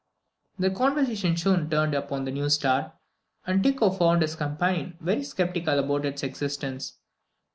The conversation soon turned upon the new star, and Tycho found his companion very sceptical about its existence.